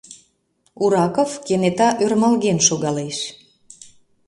Ураков кенета ӧрмалген шогалеш.